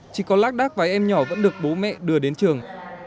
chỉ có lác đác vài em nhỏ vẫn được bố mẹ đưa đến trường